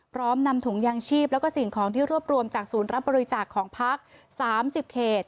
พร้อมนำถุงยางชีพแล้วก็สิ่งของที่รวบรวมจากศูนย์รับบริจาคของพัก๓๐เขต